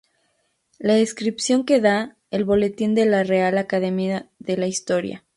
La descripción que da el Boletín de la Real Academia de la Historia.